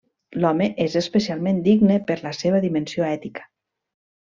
L'home és especialment digne per la seva dimensió ètica.